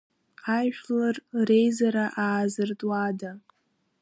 Ажәлар реизара аазыртуада?